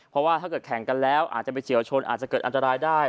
เพราะว่าถ้าเกิดแข่งกันแล้วอาจจะไปเฉียวชนอาจจะเกิดอันตรายได้